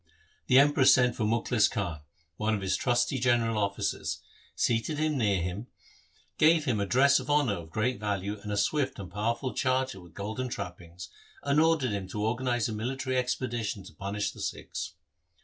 The Emperor sent for Mukhlis Khan, one of his trusty general officers, seated him near him, gave him a dress of honour of great value and a swift and powerful charger with golden trappings, and ordered him to organize a military expedition to punish the Sikhs.